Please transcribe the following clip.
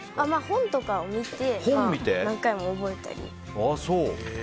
本とかを見て何回も覚えたり。